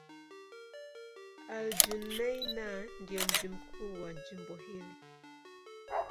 Al-Junaynah ndio mji mkuu wa jimbo hili.